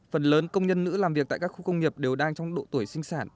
phần lớn công nhân nữ làm việc tại các khu công nghiệp đều đang trong độ tuổi sinh sản